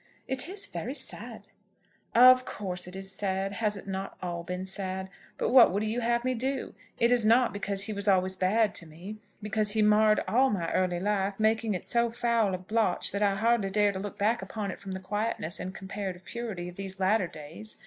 "It is very sad." "Of course it is sad. Has it not all been sad? But what would you have me do? It is not because he was always bad to me, because he marred all my early life, making it so foul a blotch that I hardly dare to look back upon it from the quietness and comparative purity of these latter days.